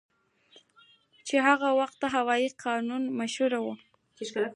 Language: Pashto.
چې د هغه وخت د هوایي قوتونو مشر ؤ